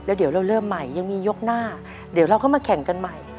เดี๋ยวเราเริ่มใหม่ยังมียกหน้าเดี๋ยวเราก็มาแข่งกันใหม่